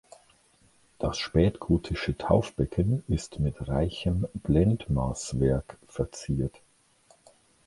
Das spätgotische Taufbecken ist mit reichem Blendmaßwerk verziert.